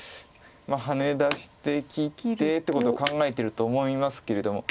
ハネ出して切ってっていうことを考えてると思いますけれども。